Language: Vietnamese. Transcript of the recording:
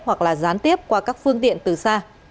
hoặc là gián tiếp qua các phương tiện từ xa